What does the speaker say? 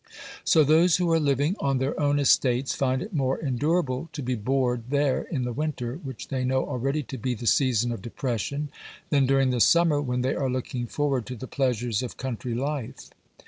So those who are living on their own estates find it more endurable to be bored there in the winter, which they know already to be the season of depression, than during the summer, when they are looking forward to the pleasures of country life.